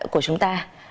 của chúng ta